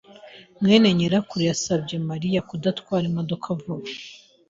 mwene nyirakuru yasabye Mariya kudatwara imodoka vuba.